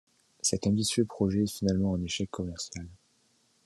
Cet ambitieux projet est finalement un échec commercial.